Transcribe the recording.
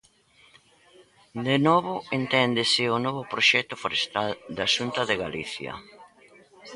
De novo, enténdese o novo proxecto forestal da Xunta de Galicia.